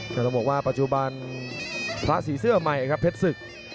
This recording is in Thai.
แต่ต้องบอกว่าปัจจุบันพระสีเสื้อใหม่ครับเพชรศึก